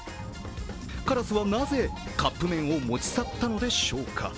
カラスはなぜカップ麺を持ち去ったのでしょうか。